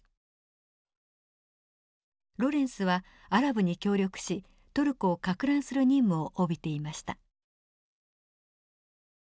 ロレンスはアラブに協力しトルコをかく乱する任務を帯びていました。